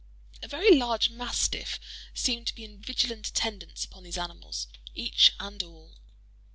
A very large mastiff seemed to be in vigilant attendance upon these animals, each and all.